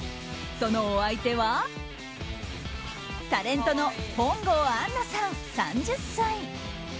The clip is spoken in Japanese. そのお相手はタレントの本郷安奈さん、３０歳。